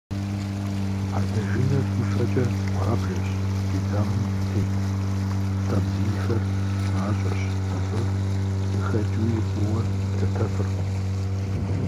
Адэжынэр и фэкӏэ гъуабжэщ, и дамэм тет къабзийхэр мащӏэщ, абы къыхэкӏууи фӏыуэ лъэтэфыркъым.